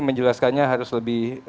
menjelaskannya harus lebih